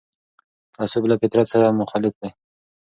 تعصب له فطرت سره مخالف دی